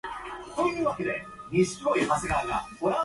It is open to the public Wednesday afternoons and by appointment.